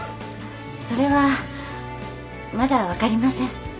それはまだ分かりません。